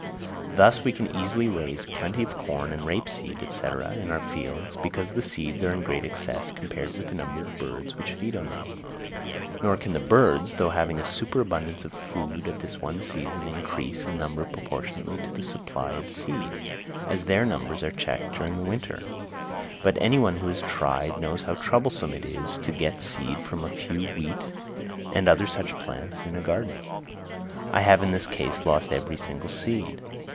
Thus we can easily raise plenty of corn and rape seed, &c., in our fields, because the seeds are in great excess compared with the number of birds which feed on them; nor can the birds, though having a superabundance of food at this one season, increase in number proportionally to the supply of seed, as their numbers are checked during the winter; but any one who has tried knows how troublesome it is to get seed from a few wheat or other such plants in a garden; I have in this case lost every single seed.